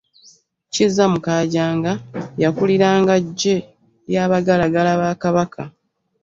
Kizza Mukaajanga yakuliranga ggye ly’abagalagala ba Kabaka.